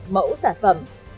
mẫu sản phẩm